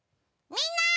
みんなー！